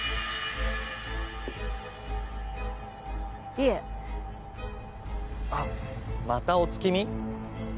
いえあまたお月見？